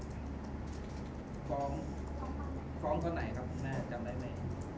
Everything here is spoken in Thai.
ฟ้องฟ้องคนไหนครับคุณแม่จำได้ไหม